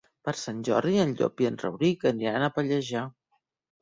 Per Sant Jordi en Llop i en Rauric aniran a Pallejà.